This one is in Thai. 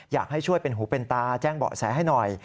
อยากให้ช่วยเป็นหูเป็นตาแจ้งเบาะแสให้หน่อย